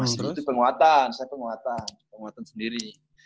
seperti penguatan saya penguatan penguatan sendiri